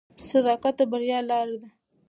صداقت د بریا لاره ده.